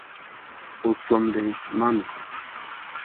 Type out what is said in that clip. O chomdi ma mi.